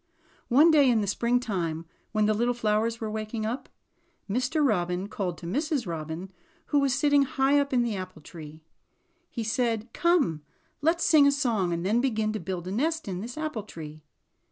One day in the springtime, when the little flowers were waking up, Mr. Robin called to Mrs. Robin who was sitting high up in the apple tree. He said: ''Come let's sing a song, and then begin to build a nest in this apple tree."